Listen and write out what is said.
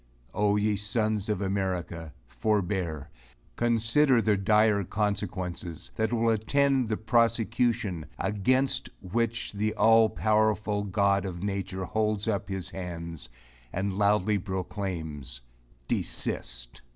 Ye sons of America, forbear! Consider the dire consequences, that will attend the prosecution, against which the all powerful God of nature holds up his hands, and loudly proclaims, desist!